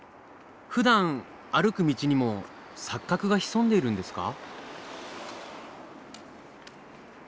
ふだん歩く道にも錯覚が潜んでいるんですか？